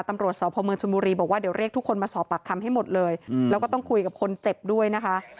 ตำรวจสพเมืองชนบุรีบอกว่าเดี๋ยวเรียกทุกคนมาสอบปากคำให้หมดเลยแล้วก็ต้องคุยกับคนเจ็บด้วยนะคะ